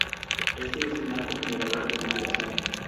Este, es el marco generador de motivación.